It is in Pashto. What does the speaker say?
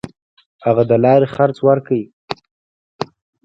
هغه د لارې خرڅ ورکړي.